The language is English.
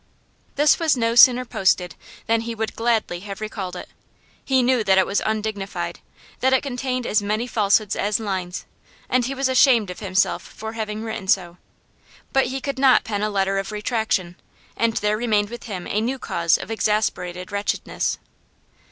This was no sooner posted than he would gladly have recalled it. He knew that it was undignified, that it contained as many falsehoods as lines, and he was ashamed of himself for having written so. But he could not pen a letter of retractation, and there remained with him a new cause of exasperated wretchedness.